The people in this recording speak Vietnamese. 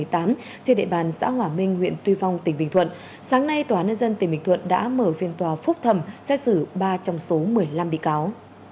trên địa bàn xã hòa minh huyện tuy phong tỉnh bình thuận sáng nay tòa nhân dân tỉnh bình thuận đã mở phiên tòa phúc thẩm xét xử ba trong số một mươi năm bị cáo